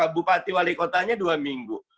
bupati wali kotanya dua minggu